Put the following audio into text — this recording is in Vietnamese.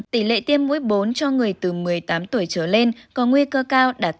tỷ lệ tiêm mũi bốn cho người từ một mươi tám tuổi trở lên có nguy cơ cao đạt tám mươi